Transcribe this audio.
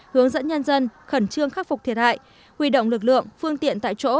hướng dẫn nhân dân khẩn trương khắc phục thiệt hại huy động lực lượng phương tiện tại chỗ